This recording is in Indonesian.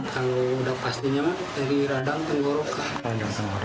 kalau sudah pastinya dari radang penggorokan